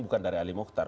bukan dari ali mokhtar